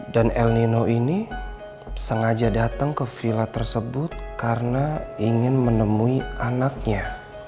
dan el nino ini sengaja datang ke villa tersebut karena ingin menemui anaknya